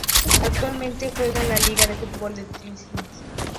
Actualmente juega en la Liga de fútbol de Tayikistán.